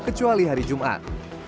kecuali hari jumat